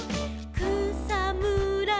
「くさむら